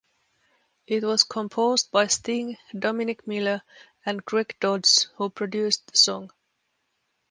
It was composed by Sting, Dominic Miller, and Craig Dodds, who produced the song.